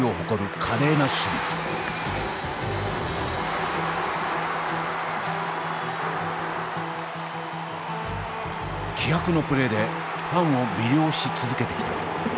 気迫のプレーでファンを魅了し続けてきた。